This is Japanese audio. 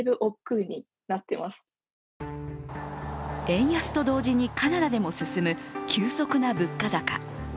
円安と同時にカナダでも進む急速な物価高。